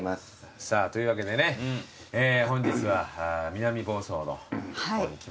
さぁというわけでね本日は南房総の方に来ましたけども。